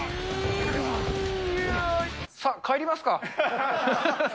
さ、帰りますか。